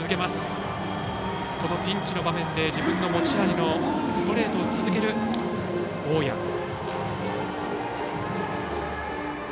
ピンチの場面で自分の持ち味のストレートを続ける大矢。